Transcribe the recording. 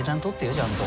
ちゃんと。